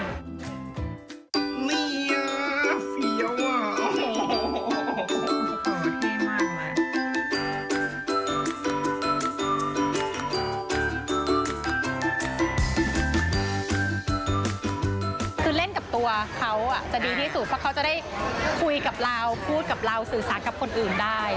คือเล่นกับตัวเขาจะดีที่สุดเพราะเขาจะได้คุยกับเราพูดกับเราสื่อสารกับคนอื่นได้